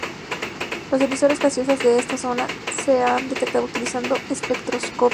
Las emisiones gaseosas de esta zona se han detectado utilizando espectroscopía.